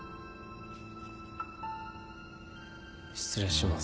失礼します。